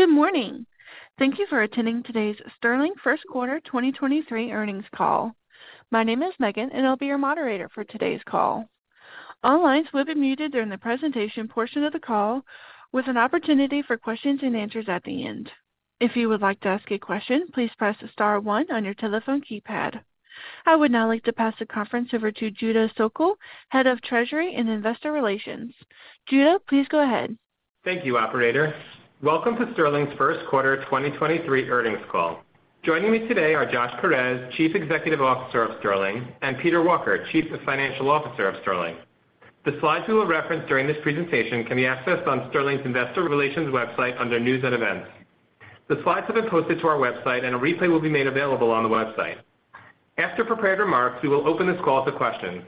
Good morning. Thank you for attending today's Sterling first quarter 2023 earnings call. My name is Megan, and I'll be your moderator for today's call. All lines will be muted during the presentation portion of the call, with an opportunity for questions and answers at the end. If you would like to ask a question, please press star one on your telephone keypad. I would now like to pass the conference over to Judah Sokel, Head of Treasury and Investor Relations. Judah, please go ahead. Thank you, operator. Welcome to Sterling's 1st quarter 2023 earnings call. Joining me today are Josh Peirez, Chief Executive Officer of Sterling, and Peter Walker, Chief Financial Officer of Sterling. The slides we will reference during this presentation can be accessed on Sterling's investor relations website under News and Events. The slides have been posted to our website, and a replay will be made available on the website. After prepared remarks, we will open this call to questions.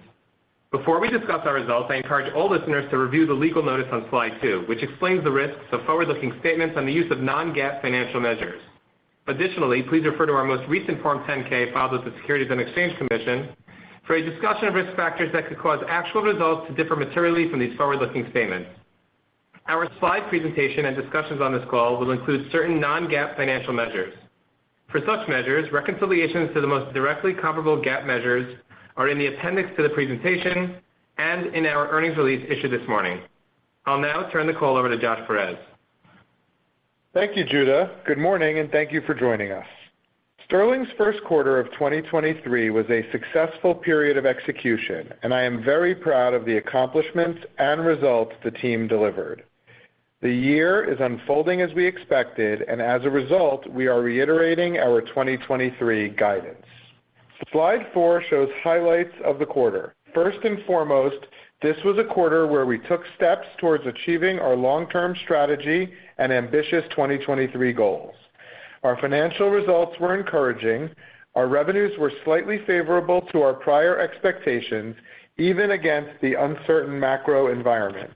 Before we discuss our results, I encourage all listeners to review the legal notice on slide two, which explains the risks of forward-looking statements and the use of Non-GAAP financial measures. Additionally, please refer to our most recent Form 10-K filed with the Securities and Exchange Commission for a discussion of risk factors that could cause actual results to differ materially from these forward-looking statements. Our slide presentation and discussions on this call will include certain Non-GAAP financial measures. For such measures, reconciliations to the most directly comparable GAAP measures are in the appendix to the presentation and in our earnings release issued this morning. I'll now turn the call over to Josh Peirez. Thank you, Judah. Good morning, and thank you for joining us. Sterling's first quarter of 2023 was a successful period of execution, and I am very proud of the accomplishments and results the team delivered. The year is unfolding as we expected, and as a result, we are reiterating our 2023 guidance. Slide four shows highlights of the quarter. First and foremost, this was a quarter where we took steps towards achieving our long-term strategy and ambitious 2023 goals. Our financial results were encouraging. Our revenues were slightly favorable to our prior expectations, even against the uncertain macro environment.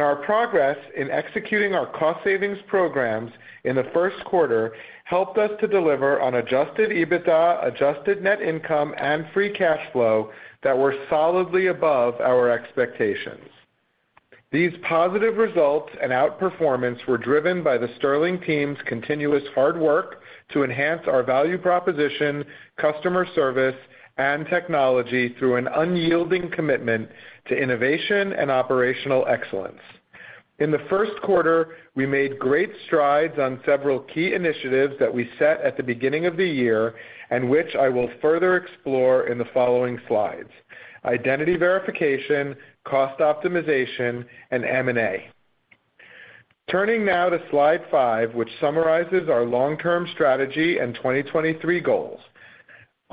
Our progress in executing our cost savings programs in the first quarter helped us to deliver on adjusted EBITDA, adjusted net income and free cash flow that were solidly above our expectations. These positive results and outperformance were driven by the Sterling team's continuous hard work to enhance our value proposition, customer service, and technology through an unyielding commitment to innovation and operational excellence. In the first quarter, we made great strides on several key initiatives that we set at the beginning of the year, and which I will further explore in the following slides: identity verification, cost optimization, and M&A. Turning now to slide 5, which summarizes our long-term strategy and 2023 goals.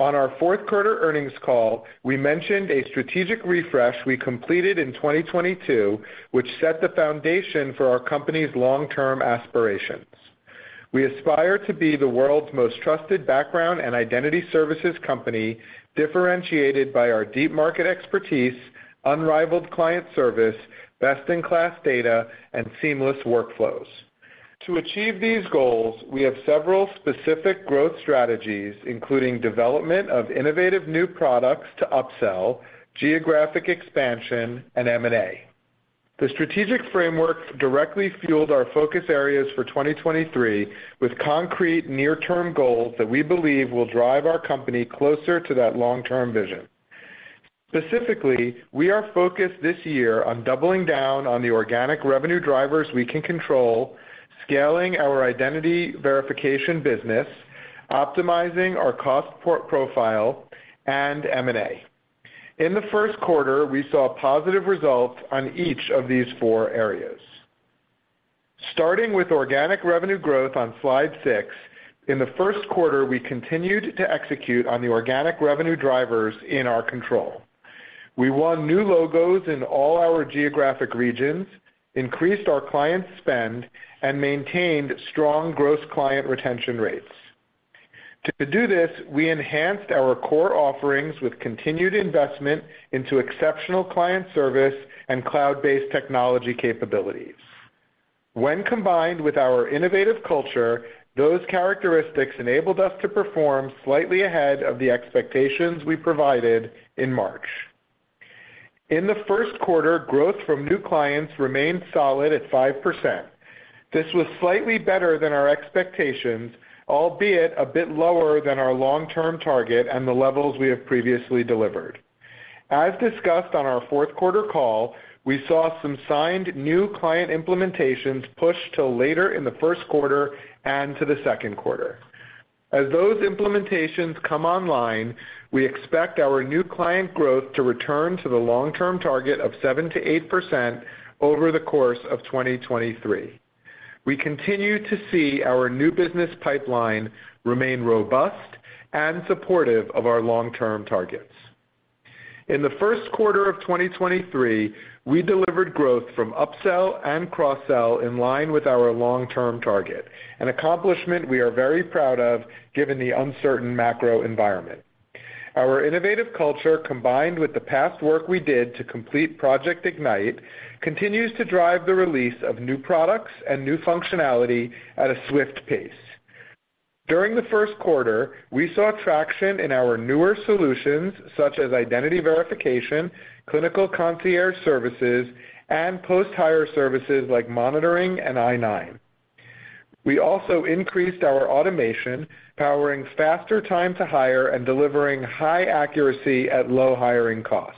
On our fourth quarter earnings call, we mentioned a strategic refresh we completed in 2022, which set the foundation for our company's long-term aspirations. We aspire to be the world's most trusted background and identity services company, differentiated by our deep market expertise, unrivaled client service, best-in-class data, and seamless workflows. To achieve these goals, we have several specific growth strategies, including development of innovative new products to upsell, geographic expansion, and M&A. The strategic framework directly fueled our focus areas for 2023 with concrete near-term goals that we believe will drive our company closer to that long-term vision. Specifically, we are focused this year on doubling down on the organic revenue drivers we can control, scaling our identity verification business, optimizing our cost port profile, and M&A. In the first quarter, we saw positive results on each of these four areas. Starting with organic revenue growth on slide six, in the first quarter we continued to execute on the organic revenue drivers in our control. We won new logos in all our geographic regions, increased our client spend, and maintained strong gross client retention rates. To do this, we enhanced our core offerings with continued investment into exceptional client service and cloud-based technology capabilities. When combined with our innovative culture, those characteristics enabled us to perform slightly ahead of the expectations we provided in March. In the first quarter, growth from new clients remained solid at 5%. This was slightly better than our expectations, albeit a bit lower than our long-term target and the levels we have previously delivered. As discussed on our fourth quarter call, we saw some signed new client implementations pushed till later in the first quarter and to the second quarter. As those implementations come online, we expect our new client growth to return to the long-term target of 7%-8% over the course of 2023. We continue to see our new business pipeline remain robust and supportive of our long-term targets. In the first quarter of 2023, we delivered growth from upsell and cross-sell in line with our long-term target, an accomplishment we are very proud of given the uncertain macro environment. Our innovative culture, combined with the past work we did to complete Project Ignite, continues to drive the release of new products and new functionality at a swift pace. During the first quarter, we saw traction in our newer solutions such as identity verification, Clinical Concierge services, and post-hire services like monitoring and I-9. We also increased our automation, powering faster time to hire and delivering high accuracy at low hiring cost.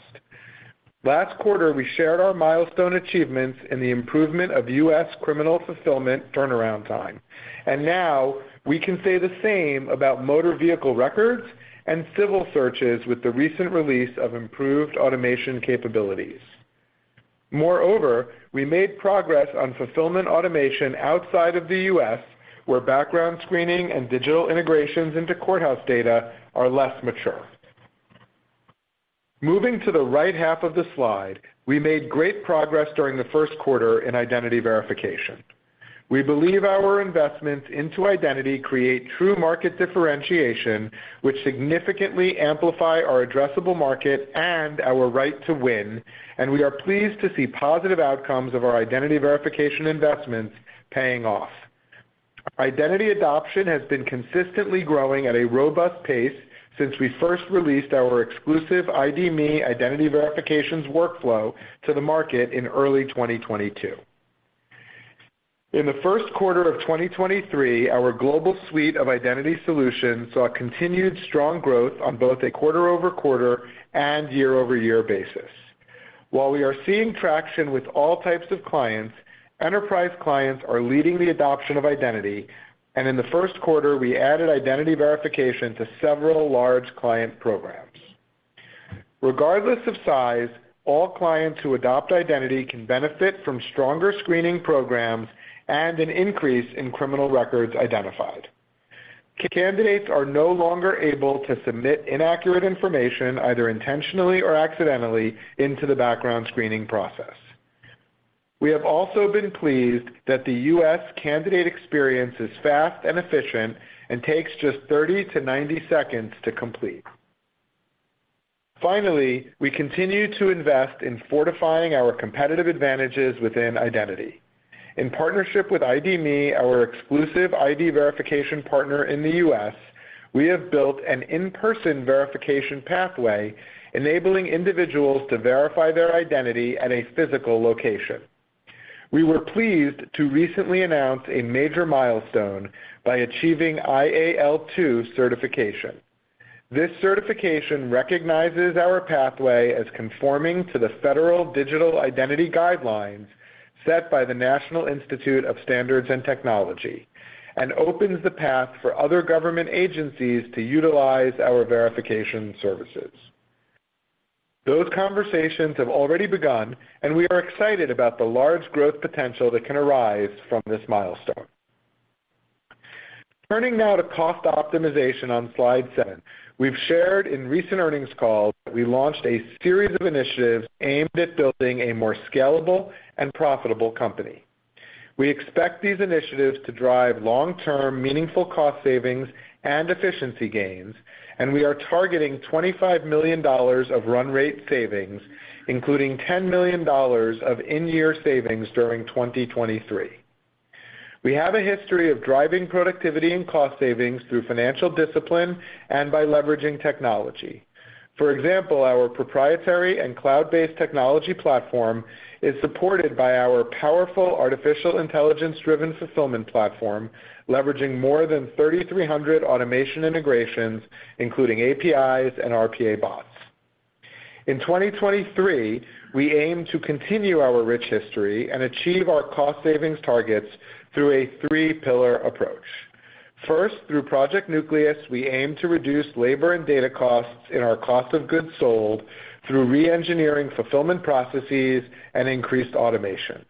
Last quarter, we shared our milestone achievements in the improvement of U.S. criminal fulfillment turnaround time. Now we can say the same about motor vehicle records and civil searches with the recent release of improved automation capabilities. We made progress on fulfillment automation outside of the U.S., where background screening and digital integrations into courthouse data are less mature. Moving to the right half of the slide, we made great progress during the first quarter in identity verification. We believe our investments into identity create true market differentiation, which significantly amplify our addressable market and our right to win, and we are pleased to see positive outcomes of our identity verification investments paying off. Identity adoption has been consistently growing at a robust pace since we first released our exclusive ID.me identity verifications workflow to the market in early 2022. In the first quarter of 2023, our global suite of identity solutions saw continued strong growth on both a quarter-over-quarter and year-over-year basis. While we are seeing traction with all types of clients, enterprise clients are leading the adoption of identity, and in the first quarter, we added identity verification to several large client programs. Regardless of size, all clients who adopt identity can benefit from stronger screening programs and an increase in criminal records identified. Candidates are no longer able to submit inaccurate information, either intentionally or accidentally, into the background screening process. We have also been pleased that the U.S. candidate experience is fast and efficient and takes just 30-90 seconds to complete. Finally, we continue to invest in fortifying our competitive advantages within identity. In partnership with ID.me, our exclusive ID verification partner in the U.S., we have built an in-person verification pathway enabling individuals to verify their identity at a physical location. We were pleased to recently announce a major milestone by achieving IAL2 certification. This certification recognizes our pathway as conforming to the federal digital identity guidelines set by the National Institute of Standards and Technology and opens the path for other government agencies to utilize our verification services. Those conversations have already begun, and we are excited about the large growth potential that can arise from this milestone. Turning now to cost optimization on slide seven. We've shared in recent earnings calls that we launched a series of initiatives aimed at building a more scalable and profitable company. We expect these initiatives to drive long-term meaningful cost savings and efficiency gains, and we are targeting $25 million of run rate savings, including $10 million of in-year savings during 2023. We have a history of driving productivity and cost savings through financial discipline and by leveraging technology. For example, our proprietary and cloud-based technology platform is supported by our powerful artificial intelligence-driven fulfillment platform, leveraging more than 3,300 automation integrations, including APIs and RPA bots. In 2023, we aim to continue our rich history and achieve our cost savings targets through a three-pillar approach. First, through Project Nucleus, we aim to reduce labor and data costs in our cost of goods sold through reengineering fulfillment processes and increased automation.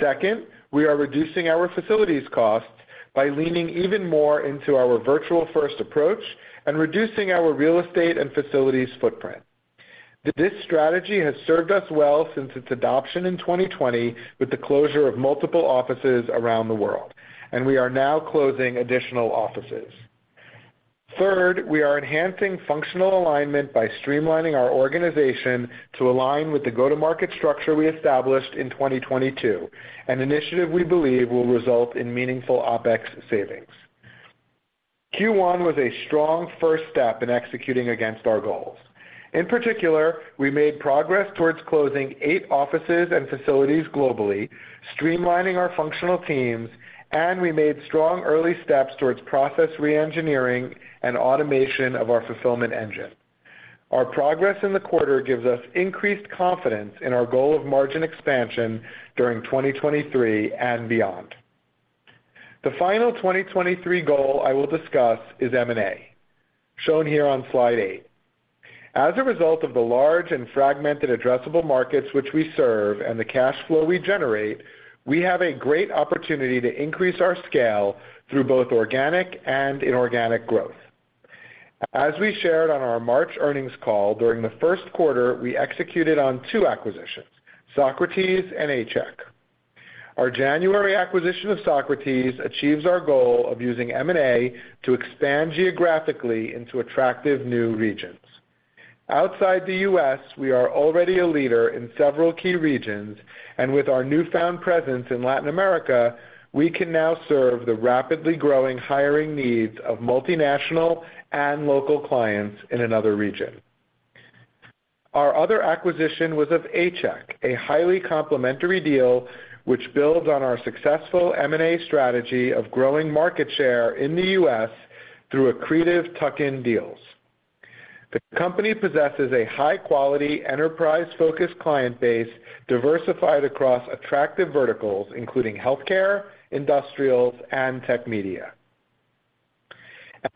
Second, we are reducing our facilities costs by leaning even more into our virtual-first approach and reducing our real estate and facilities footprint. This strategy has served us well since its adoption in 2020 with the closure of multiple offices around the world, and we are now closing additional offices. Third, we are enhancing functional alignment by streamlining our organization to align with the go-to-market structure we established in 2022, an initiative we believe will result in meaningful OpEx savings. Q1 was a strong first step in executing against our goals. In particular, we made progress towards closing eight offices and facilities globally, streamlining our functional teams, and we made strong early steps towards process reengineering and automation of our fulfillment engine. Our progress in the quarter gives us increased confidence in our goal of margin expansion during 2023 and beyond. The final 2023 goal I will discuss is M&A, shown here on slide eight. As a result of the large and fragmented addressable markets which we serve and the cash flow we generate, we have a great opportunity to increase our scale through both organic and inorganic growth. As we shared on our March earnings call, during the first quarter, we executed on two acquisitions, Socrates and A-Check. Our January acquisition of Socrates achieves our goal of using M&A to expand geographically into attractive new regions. Outside the U.S., we are already a leader in several key regions, and with our newfound presence in Latin America, we can now serve the rapidly growing hiring needs of multinational and local clients in another region. Our other acquisition was of A-Check, a highly complementary deal which builds on our successful M&A strategy of growing market share in the U.S. through accretive tuck-in deals. The company possesses a high-quality, enterprise-focused client base diversified across attractive verticals, including healthcare, industrials, and tech media.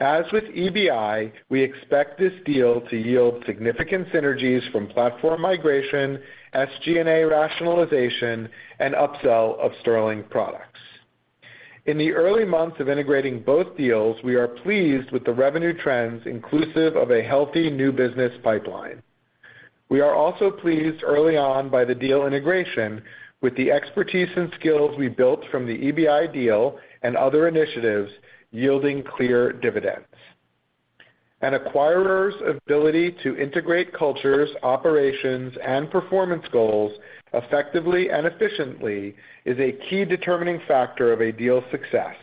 As with EBI, we expect this deal to yield significant synergies from platform migration, SG&A rationalization, and upsell of Sterling products. In the early months of integrating both deals, we are pleased with the revenue trends inclusive of a healthy new business pipeline. We are also pleased early on by the deal integration with the expertise and skills we built from the EBI deal and other initiatives yielding clear dividends. An acquirer's ability to integrate cultures, operations, and performance goals effectively and efficiently is a key determining factor of a deal's success,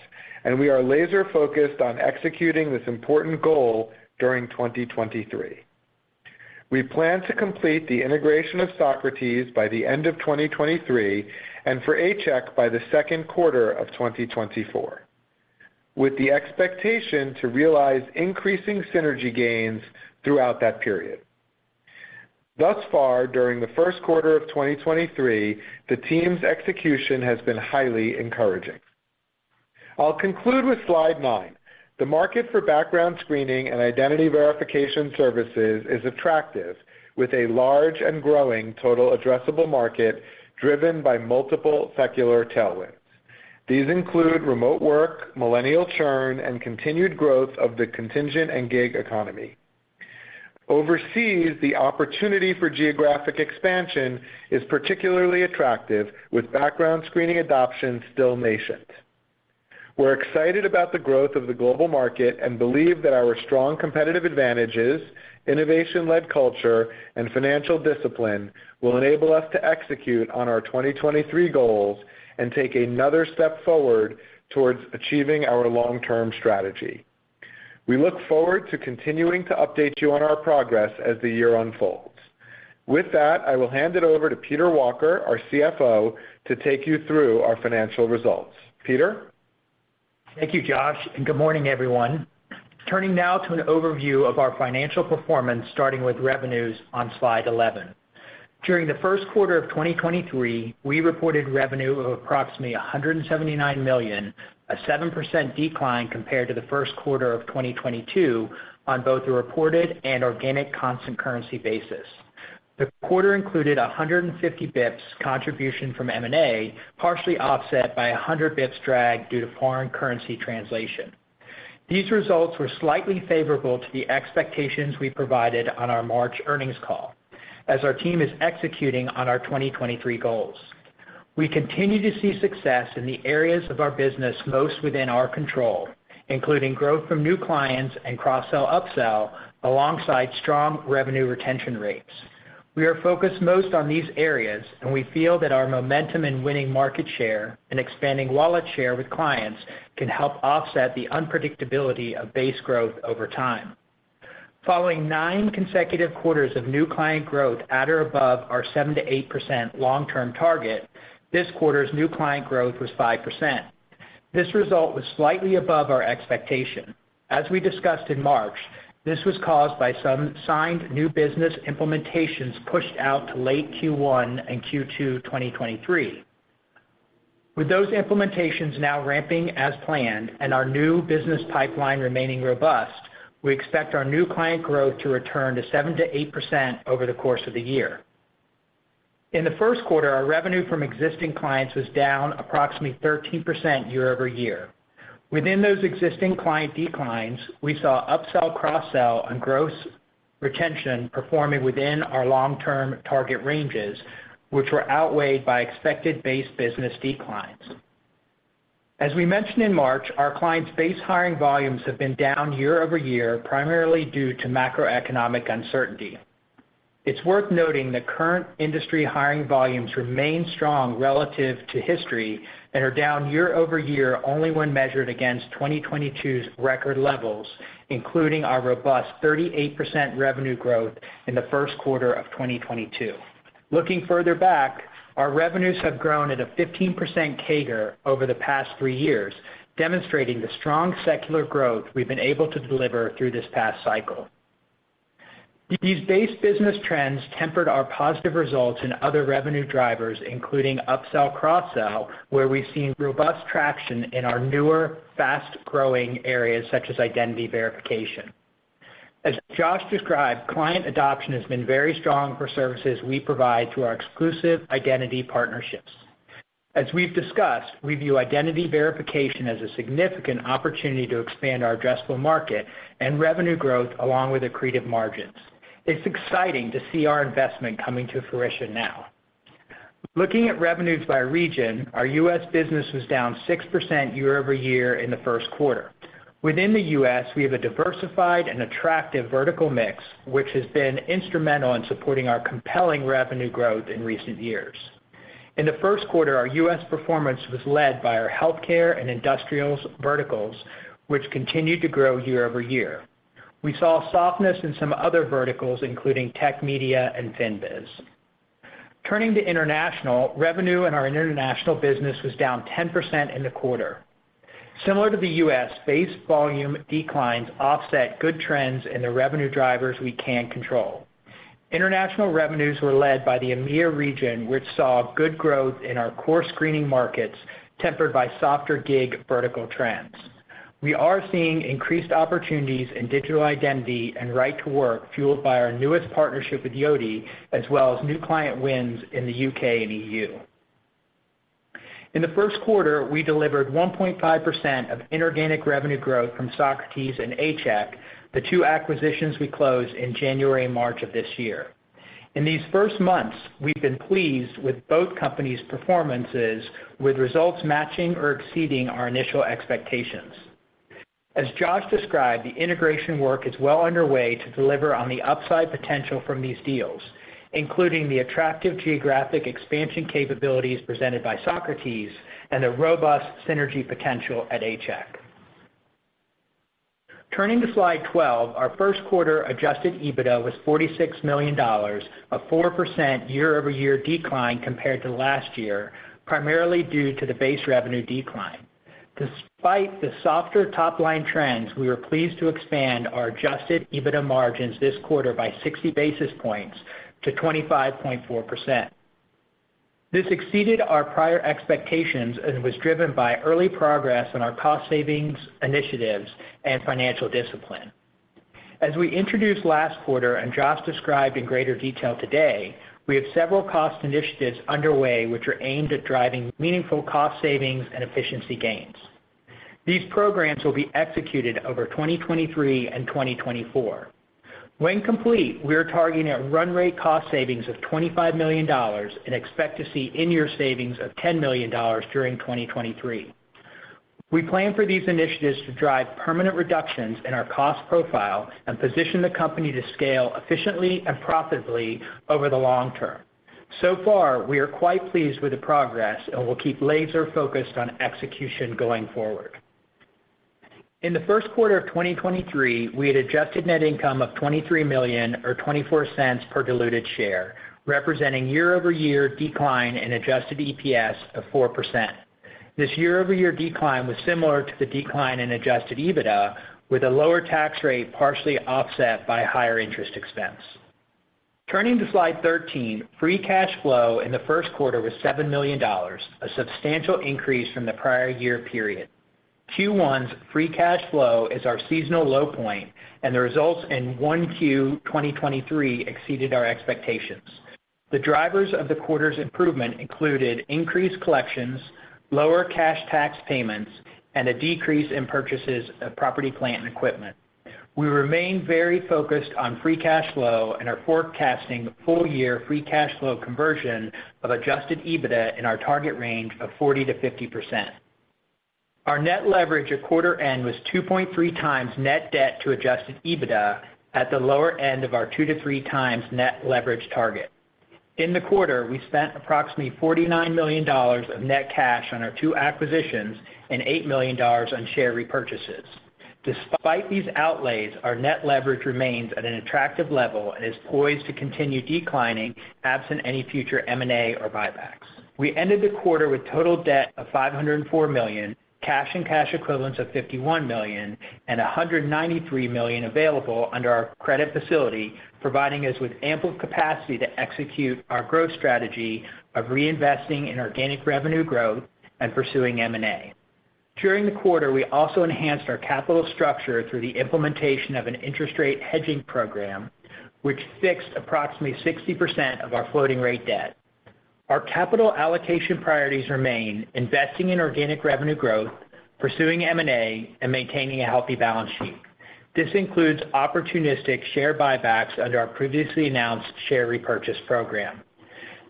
and we are laser-focused on executing this important goal during 2023. We plan to complete the integration of Socrates by the end of 2023 and for A-Check by the second quarter of 2024, with the expectation to realize increasing synergy gains throughout that period. Thus far, during the first quarter of 2023, the team's execution has been highly encouraging. I'll conclude with slide nine. The market for background screening and identity verification services is attractive, with a large and growing total addressable market driven by multiple secular tailwinds. These include remote work, millennial churn, and continued growth of the contingent and gig economy. Overseas, the opportunity for geographic expansion is particularly attractive, with background screening adoption still nascent. We're excited about the growth of the global market and believe that our strong competitive advantages, innovation-led culture, and financial discipline will enable us to execute on our 2023 goals and take another step forward towards achieving our long-term strategy. We look forward to continuing to update you on our progress as the year unfolds. I will hand it over to Peter Walker, our CFO, to take you through our financial results. Peter? Thank you, Josh, and good morning, everyone. Turning now to an overview of our financial performance, starting with revenues on slide 11. During the first quarter of 2023, we reported revenue of approximately $179 million, a 7% decline compared to the first quarter of 2022 on both a reported and organic constant currency basis. The quarter included 150 basis points contribution from M&A, partially offset by 100 basis points drag due to foreign currency translation. These results were slightly favorable to the expectations we provided on our March earnings call as our team is executing on our 2023 goals. We continue to see success in the areas of our business most within our control, including growth from new clients and cross-sell/upsell alongside strong revenue retention rates. We are focused most on these areas, and we feel that our momentum in winning market share and expanding wallet share with clients can help offset the unpredictability of base growth over time. Following nine consecutive quarters of new client growth at or above our 7%-8% long-term target, this quarter's new client growth was 5%. This result was slightly above our expectation. As we discussed in March, this was caused by some signed new business implementations pushed out to late Q1 and Q2 2023. With those implementations now ramping as planned and our new business pipeline remaining robust, we expect our new client growth to return to 7%-8% over the course of the year. In the first quarter, our revenue from existing clients was down approximately 13% year-over-year. Within those existing client declines, we saw upsell, cross-sell, and gross retention performing within our long-term target ranges, which were outweighed by expected base business declines. As we mentioned in March, our clients' base hiring volumes have been down year-over-year, primarily due to macroeconomic uncertainty. It's worth noting that current industry hiring volumes remain strong relative to history and are down year-over-year only when measured against 2022's record levels, including our robust 38% revenue growth in the first quarter of 2022. Looking further back, our revenues have grown at a 15% CAGR over the past three years, demonstrating the strong secular growth we've been able to deliver through this past cycle. These base business trends tempered our positive results in other revenue drivers, including upsell/cross-sell, where we've seen robust traction in our newer, fast-growing areas such as identity verification. As Josh described, client adoption has been very strong for services we provide through our exclusive identity partnerships. As we've discussed, we view identity verification as a significant opportunity to expand our addressable market and revenue growth along with accretive margins. It's exciting to see our investment coming to fruition now. Looking at revenues by region, our U.S. business was down 6% year-over-year in the first quarter. Within the U.S, we have a diversified and attractive vertical mix, which has been instrumental in supporting our compelling revenue growth in recent years. In the first quarter, our U.S performance was led by our healthcare and industrials verticals, which continued to grow year-over-year. We saw softness in some other verticals, including tech media and FinBiz. Turning to international, revenue in our international business was down 10% in the quarter. Similar to the U.S., base volume declines offset good trends in the revenue drivers we can control. International revenues were led by the EMEIA region, which saw good growth in our core screening markets, tempered by softer gig vertical trends. We are seeing increased opportunities in digital identity and right to work, fueled by our newest partnership with Yoti, as well as new client wins in the U.K. and EU. In the first quarter, we delivered 1.5% of inorganic revenue growth from Socrates and A-Check, the two acquisitions we closed in January and March of this year. In these first months, we've been pleased with both companies' performances, with results matching or exceeding our initial expectations. As Josh described, the integration work is well underway to deliver on the upside potential from these deals, including the attractive geographic expansion capabilities presented by Socrates and the robust synergy potential at A-Check Global. Turning to slide 12, our first quarter adjusted EBITDA was $46 million, a 4% year-over-year decline compared to last year, primarily due to the base revenue decline. Despite the softer top-line trends, we are pleased to expand our adjusted EBITDA margins this quarter by 60 basis points to 25.4%. This exceeded our prior expectations and was driven by early progress on our cost savings initiatives and financial discipline. As we introduced last quarter and Josh described in greater detail today, we have several cost initiatives underway which are aimed at driving meaningful cost savings and efficiency gains. These programs will be executed over 2023 and 2024. When complete, we are targeting a run rate cost savings of $25 million and expect to see in-year savings of $10 million during 2023. We plan for these initiatives to drive permanent reductions in our cost profile and position the company to scale efficiently and profitably over the long-term. Far, we are quite pleased with the progress and will keep laser-focused on execution going forward. In the first quarter of 2023, we had adjusted net income of $23 million or $0.24 per diluted share, representing year-over-year decline in adjusted EPS of 4%. This year-over-year decline was similar to the decline in adjusted EBITDA, with a lower tax rate partially offset by higher interest expense. Turning to slide 13, free cash flow in the first quarter was $7 million, a substantial increase from the prior year period. Q1's free cash flow is our seasonal low point, and the results in 1Q 2023 exceeded our expectations. The drivers of the quarter's improvement included increased collections, lower cash tax payments, and a decrease in purchases of property, plant, and equipment. We remain very focused on free cash flow and are forecasting full-year free cash flow conversion of adjusted EBITDA in our target range of 40%-50%. Our net leverage at quarter end was 2.3 times net debt to adjusted EBITDA at the lower end of our 2-3 times net leverage target. In the quarter, we spent approximately $49 million of net cash on our two acquisitions and $8 million on share repurchases. Despite these outlays, our net leverage remains at an attractive level and is poised to continue declining absent any future M&A or buybacks. We ended the quarter with total debt of $504 million, cash and cash equivalents of $51 million, and $193 million available under our credit facility, providing us with ample capacity to execute our growth strategy of reinvesting in organic revenue growth and pursuing M&A. During the quarter, we also enhanced our capital structure through the implementation of an interest rate hedging program, which fixed approximately 60% of our floating rate debt. Our capital allocation priorities remain investing in organic revenue growth, pursuing M&A, and maintaining a healthy balance sheet. This includes opportunistic share buybacks under our previously announced share repurchase program.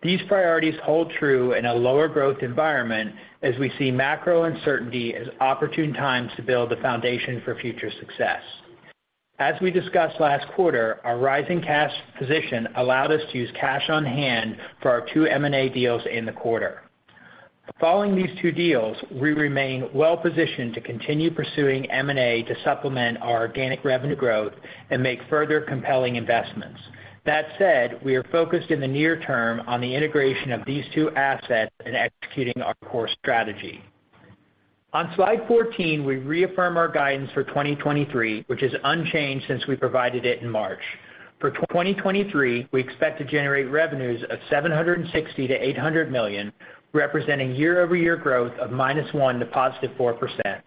These priorities hold true in a lower growth environment as we see macro uncertainty as opportune times to build the foundation for future success. As we discussed last quarter, our rising cash position allowed us to use cash on hand for our two M&A deals in the quarter. Following these two deals, we remain well-positioned to continue pursuing M&A to supplement our organic revenue growth and make further compelling investments. That said, we are focused in the near-term on the integration of these two assets and executing our core strategy. On slide 14, we reaffirm our guidance for 2023, which is unchanged since we provided it in March. For 2023, we expect to generate revenues of $760 million-$800 million, representing year-over-year growth of -1% to +4%.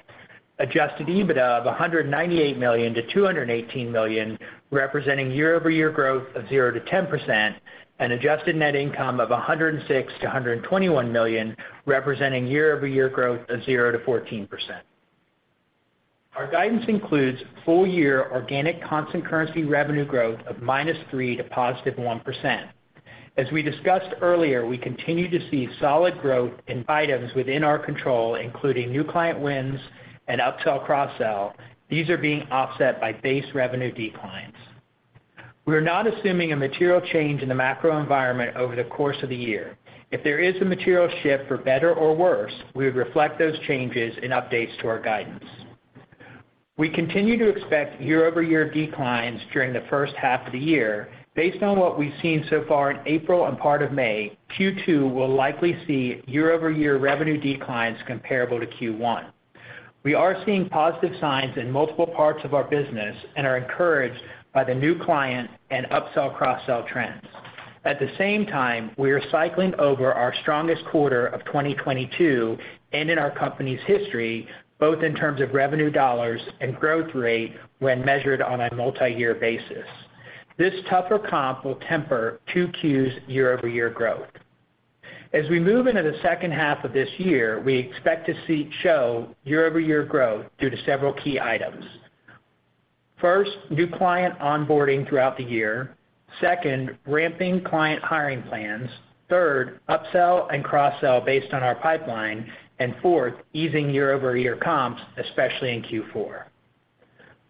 Adjusted EBITDA of $198 million-$218 million, representing year-over-year growth of 0%-10%. Adjusted net income of $106 million-$121 million, representing year-over-year growth of 0%-14%. Our guidance includes full year organic constant currency revenue growth of -3% to +1%. As we discussed earlier, we continue to see solid growth in items within our control, including new client wins and upsell, cross-sell. These are being offset by base revenue declines. We're not assuming a material change in the macro environment over the course of the year. If there is a material shift for better or worse, we would reflect those changes in updates to our guidance. We continue to expect year-over-year declines during the first half of the year. Based on what we've seen so far in April and part of May, Q2 will likely see year-over-year revenue declines comparable to Q1. We are seeing positive signs in multiple parts of our business and are encouraged by the new client and upsell, cross-sell trends. At the same time, we are cycling over our strongest quarter of 2022 and in our company's history, both in terms of revenue dollars and growth rate when measured on a multi-year basis. This tougher comp will temper 2Q's year-over-year growth. As we move into the second half of this year, we expect to see show year-over-year growth due to several key items. First, new client onboarding throughout the year. Second, ramping client hiring plans. Third, upsell and cross-sell based on our pipeline. Fourth, easing year-over-year comps, especially in Q4.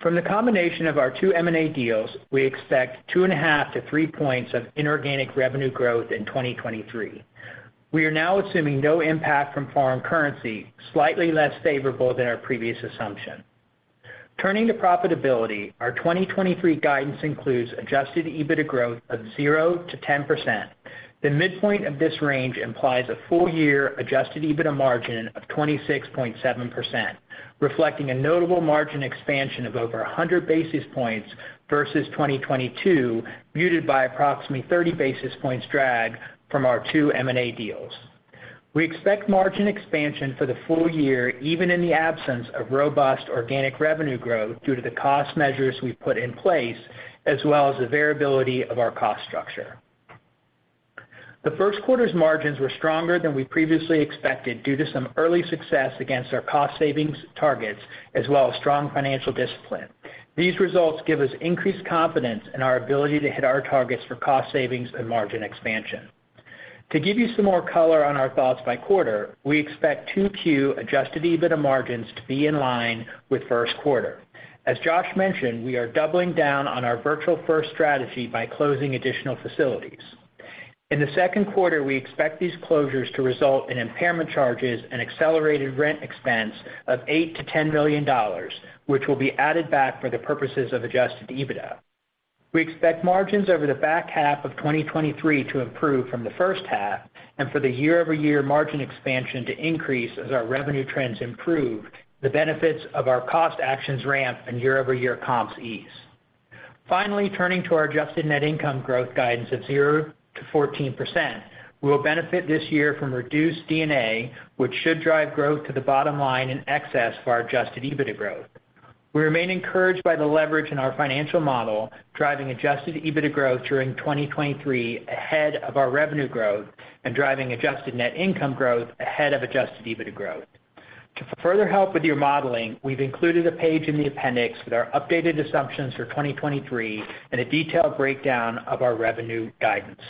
From the combination of our two M&A deals, we expect 2.5-3 points of inorganic revenue growth in 2023. We are now assuming no impact from foreign currency, slightly less favorable than our previous assumption. Turning to profitability, our 2023 guidance includes adjusted EBITDA growth of 0%-10%. The midpoint of this range implies a full year adjusted EBITDA margin of 26.7%, reflecting a notable margin expansion of over 100 basis points versus 2022, muted by approximately 30 basis points drag from our two M&A deals. We expect margin expansion for the full year, even in the absence of robust organic revenue growth due to the cost measures we've put in place, as well as the variability of our cost structure. The first quarter's margins were stronger than we previously expected due to some early success against our cost savings targets, as well as strong financial discipline. These results give us increased confidence in our ability to hit our targets for cost savings and margin expansion. To give you some more color on our thoughts by quarter, we expect 2Q adjusted EBITDA margins to be in line with first quarter. As Josh mentioned, we are doubling down on our virtual first strategy by closing additional facilities. In the second quarter, we expect these closures to result in impairment charges and accelerated rent expense of $8 million-$10 million, which will be added back for the purposes of adjusted EBITDA. We expect margins over the back half of 2023 to improve from the first half and for the year-over-year margin expansion to increase as our revenue trends improve, the benefits of our cost actions ramp, and year-over-year comps ease. Finally, turning to our adjusted net income growth guidance of 0%-14%. We will benefit this year from reduced G&A, which should drive growth to the bottom line in excess of our adjusted EBITDA growth. We remain encouraged by the leverage in our financial model, driving adjusted EBITDA growth during 2023 ahead of our revenue growth and driving adjusted net income growth ahead of adjusted EBITDA growth. To further help with your modeling, we've included a page in the appendix with our updated assumptions for 2023 and a detailed breakdown of our revenue guidance.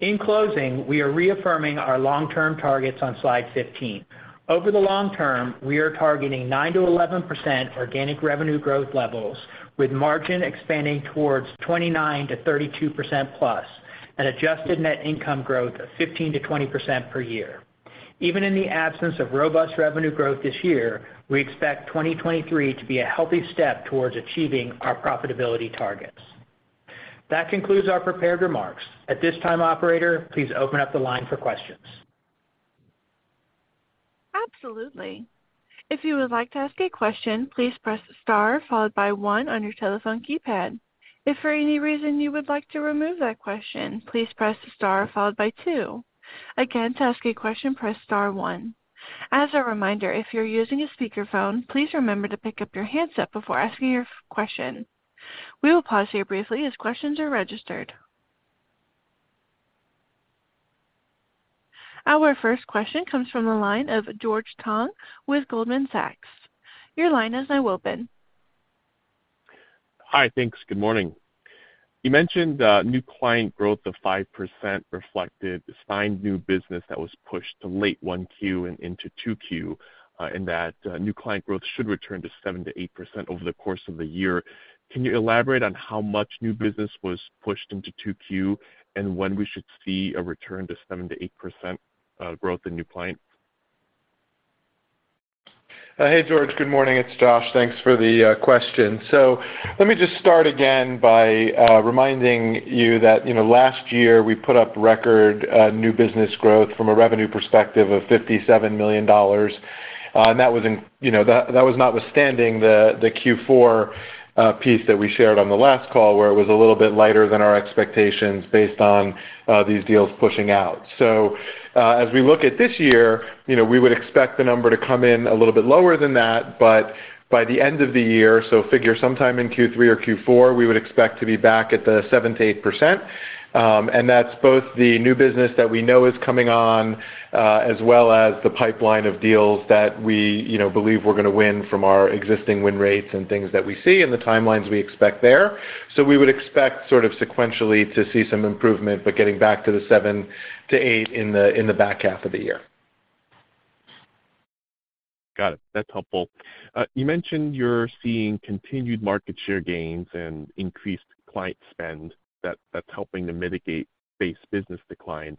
In closing, we are reaffirming our long-term targets on slide 15. Over the long-term, we are targeting 9%-11% organic revenue growth levels, with margin expanding towards 29%-32% plus an adjusted net income growth of 15%-20% per year. Even in the absence of robust revenue growth this year, we expect 2023 to be a healthy step towards achieving our profitability targets. That concludes our prepared remarks. At this time, operator, please open up the line for questions. Absolutely. If you would like to ask a question, please press star followed by one on your telephone keypad. If for any reason you would like to remove that question, please press star followed by two. Again, to ask a question, press star one. As a reminder, if you're using a speakerphone, please remember to pick up your handset before asking your question. We will pause here briefly as questions are registered. Our first question comes from the line of George Tong with Goldman Sachs. Your line is now open. Hi. Thanks. Good morning. You mentioned new client growth of 5% reflected signed new business that was pushed to late 1Q and into 2Q, and that new client growth should return to 7% to 8% over the course of the year. Can you elaborate on how much new business was pushed into 2Q and when we should see a return to 7% to 8% growth in new clients? Hey, George. Good morning. It's Josh. Thanks for the question. Let me just start again by reminding you that, you know, last year we put up record new business growth from a revenue perspective of $57 million. That was, you know, that was notwithstanding the Q4 piece that we shared on the last call, where it was a little bit lighter than our expectations based on these deals pushing out. As we look at this year, you know, we would expect the number to come in a little bit lower than that, but by the end of the year, so figure sometime in Q3 or Q4, we would expect to be back at the 7%-8%. That's both the new business that we know is coming on, as well as the pipeline of deals that we, you know, believe we're gonna win from our existing win rates and things that we see and the timelines we expect there. We would expect sort of sequentially to see some improvement, but getting back to the 7% to 8% in the back half of the year. Got it. That's helpful. You mentioned you're seeing continued market share gains and increased client spend that's helping to mitigate base business declines.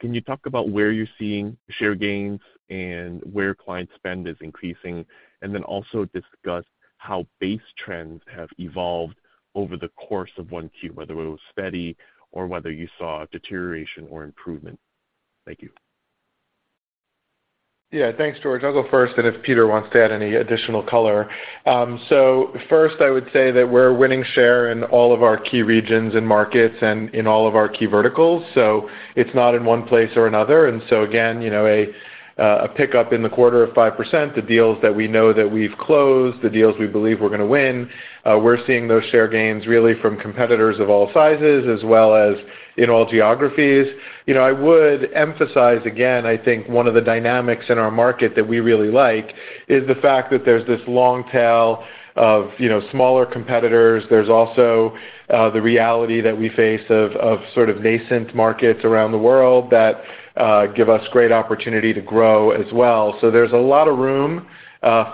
Can you talk about where you're seeing share gains and where client spend is increasing? Then also discuss how base trends have evolved over the course of 1Q, whether it was steady or whether you saw a deterioration or improvement. Thank you. Yeah. Thanks, George. I'll go first, and if Peter wants to add any additional color. First, I would say that we're winning share in all of our key regions and markets and in all of our key verticals, so it's not in one place or another. Again, you know, a pickup in the quarter of 5%, the deals that we know that we've closed, the deals we believe we're gonna win, we're seeing those share gains really from competitors of all sizes as well as in all geographies. You know, I would emphasize again, I think one of the dynamics in our market that we really like is the fact that there's this long tail of, you know, smaller competitors. There's also the reality that we face of sort of nascent markets around the world that give us great opportunity to grow as well. There's a lot of room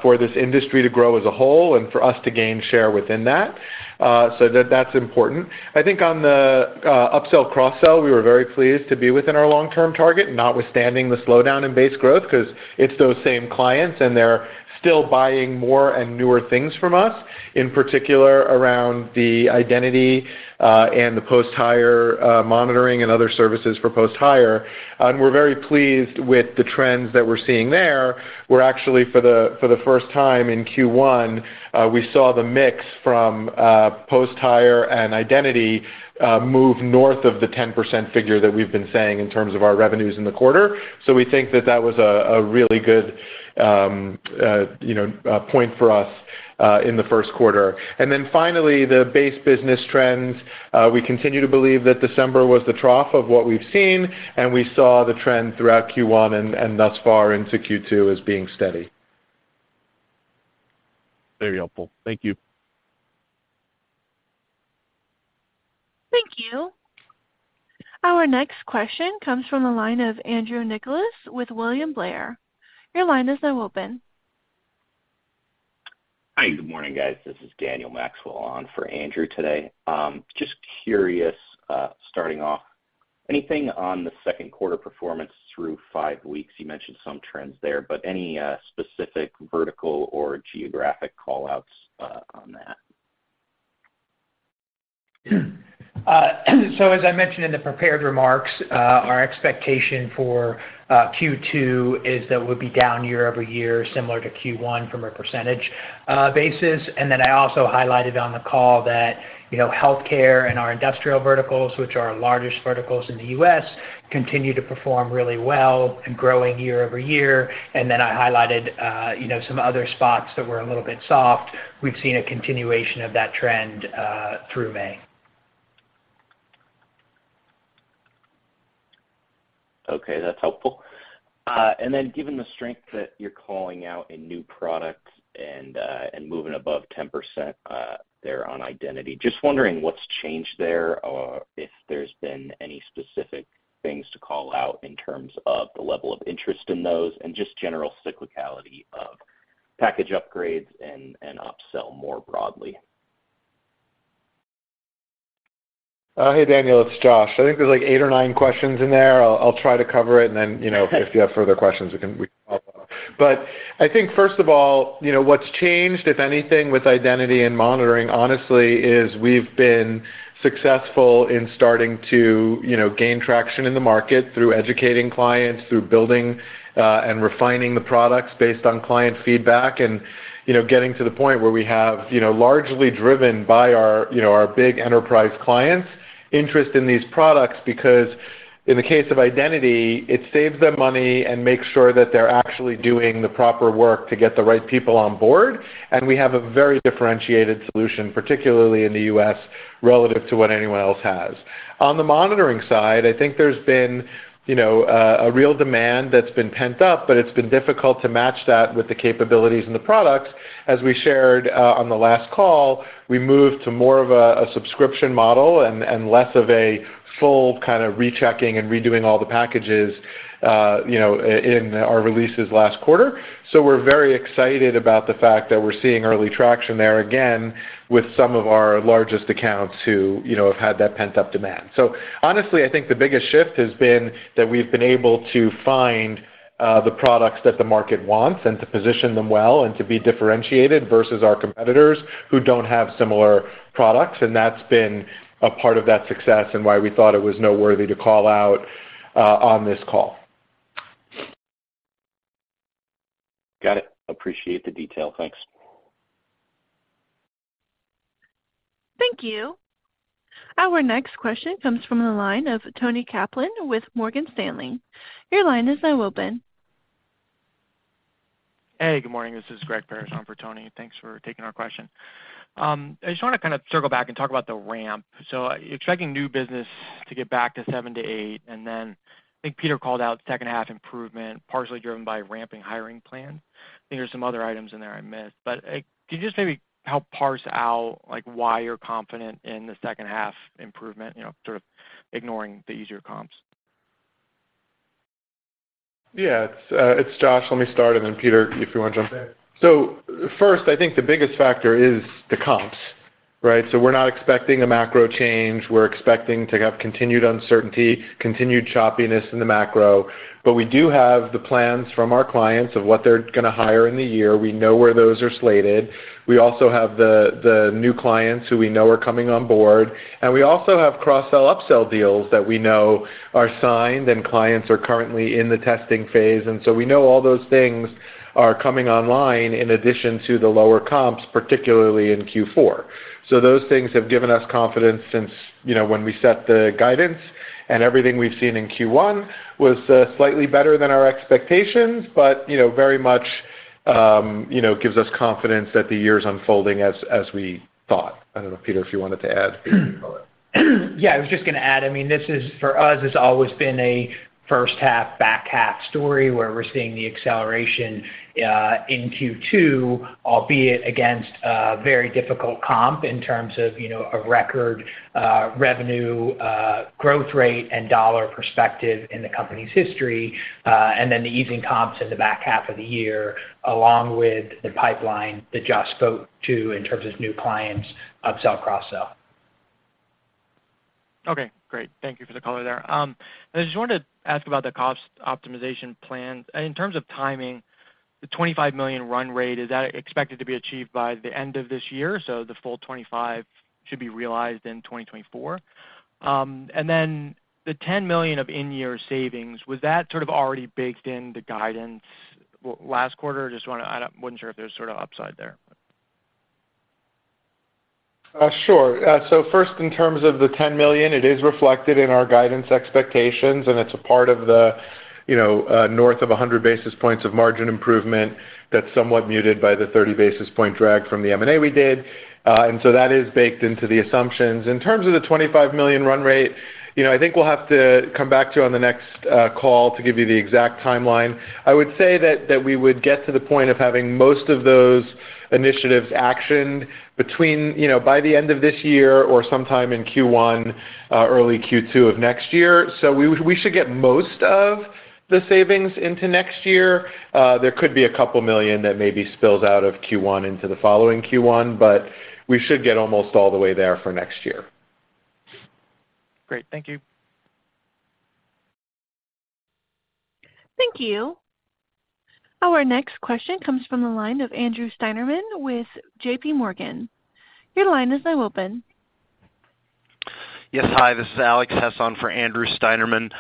for this industry to grow as a whole and for us to gain share within that. That's important. I think on the upsell, cross-sell, we were very pleased to be within our long-term target, notwithstanding the slowdown in base growth 'cause it's those same clients, and they're still buying more and newer things from us, in particular around the identity and the post-hire monitoring and other services for post-hire. We're very pleased with the trends that we're seeing there, where actually for the first time in Q1, we saw the mix from post-hire and identity move north of the 10% figure that we've been saying in terms of our revenues in the quarter. We think that that was a really good, you know, point for us in the first quarter. Finally, the base business trends. We continue to believe that December was the trough of what we've seen, and we saw the trend throughout Q1 and thus far into Q2 as being steady. Very helpful. Thank you. Thank you. Our next question comes from the line of Andrew Nicholas with William Blair. Your line is now open. Hi, good morning, guys. This is Daniel Maxwell on for Andrew today. just curious, starting off, anything on the second quarter performance through five weeks? You mentioned some trends there, but any specific vertical or geographic call-outs, on that? As I mentioned in the prepared remarks, our expectation for Q2 is that we'll be down year-over-year, similar to Q1 from a percentage basis. I also highlighted on the call that, you know, healthcare and our industrial verticals, which are our largest verticals in the U.S., continue to perform really well and growing year-over-year. I highlighted, you know, some other spots that were a little bit soft. We've seen a continuation of that trend through May. Okay, that's helpful. Given the strength that you're calling out in new products and moving above 10% there on identity, just wondering what's changed there or if there's been any specific things to call out in terms of the level of interest in those and just general cyclicality of package upgrades and upsell more broadly? Hey, Daniel, it's Josh. I think there's like eight or nine questions in there. I'll try to cover it, and then, you know, if you have further questions, we can follow up. I think first of all, you know, what's changed, if anything, with identity and monitoring, honestly, is we've been successful in starting to, you know, gain traction in the market through educating clients, through building and refining the products based on client feedback and, you know, getting to the point where we have, you know, largely driven by our big enterprise clients' interest in these products. In the case of identity, it saves them money and makes sure that they're actually doing the proper work to get the right people on board. We have a very differentiated solution, particularly in the U.S., relative to what anyone else has. On the monitoring side, I think there's been, you know, a real demand that's been pent-up, but it's been difficult to match that with the capabilities and the products. As we shared, on the last call, we moved to more of a subscription model and less of a full kind of rechecking and redoing all the packages, you know, in our releases last quarter. We're very excited about the fact that we're seeing early traction there again with some of our largest accounts who, you know, have had that pent-up demand. Honestly, I think the biggest shift has been that we've been able to find the products that the market wants and to position them well and to be differentiated versus our competitors who don't have similar products. That's been a part of that success and why we thought it was noteworthy to call out on this call. Got it. Appreciate the detail. Thanks. Thank you. Our next question comes from the line of Toni Kaplan with Morgan Stanley. Your line is now open. Hey, good morning, this is Greg Parrish on for Toni Kaplan. Thanks for taking our question. I just wanna kind of circle back and talk about the ramp. Expecting new business to get back to 7%-8%, and then I think Peter Walker called out second half improvement, partially driven by ramping hiring plan. I think there's some other items in there I missed. Could you just maybe help parse out, like, why you're confident in the second half improvement, you know, sort of ignoring the easier comps? Yeah. It's Josh. Let me start, and then Peter, if you wanna jump in. First, I think the biggest factor is the comps, right? We're not expecting a macro change. We're expecting to have continued uncertainty, continued choppiness in the macro. We do have the plans from our clients of what they're gonna hire in the year. We know where those are slated. We also have the new clients who we know are coming on board. We also have cross-sell, up-sell deals that we know are signed and clients are currently in the testing phase. We know all those things are coming online in addition to the lower comps, particularly in Q4. Those things have given us confidence since, you know, when we set the guidance. Everything we've seen in Q1 was slightly better than our expectations, but, you know, very much, you know, gives us confidence that the year's unfolding as we thought. I don't know, Peter, if you wanted to add color. Yeah, I was just gonna add, I mean, this is, for us, has always been a first half, back half story, where we're seeing the acceleration in Q2, albeit against a very difficult comp in terms of, you know, a record revenue growth rate and dollar perspective in the company's history. The easing comps in the back half of the year, along with the pipeline that Josh spoke to in terms of new clients, up-sell, cross-sell. Okay, great. Thank you for the color there. I just wanted to ask about the cost optimization plans. In terms of timing, the $25 million run rate, is that expected to be achieved by the end of this year, so the full $25 million should be realized in 2024? The $10 million of in-year savings, was that sort of already baked in the guidance last quarter? Just wasn't sure if there's sort of upside there. Sure. First in terms of the $10 million, it is reflected in our guidance expectations, and it's a part of the, you know, north of 100 basis points of margin improvement that's somewhat muted by the 30 basis point drag from the M&A we did. That is baked into the assumptions. In terms of the $25 million run rate, you know, I think we'll have to come back to on the next call to give you the exact timeline. I would say that we would get to the point of having most of those initiatives actioned between, you know, by the end of this year or sometime in Q1, early Q2 of next year. We should get most of the savings into next year. There could be a couple million that maybe spills out of Q1 into the following Q1, but we should get almost all the way there for next year. Great. Thank you. Thank you. Our next question comes from the line of Andrew Steinerman with J.P. Morgan. Your line is now open. Yes. Hi, this is Alex Hess on for Andrew Steinerman.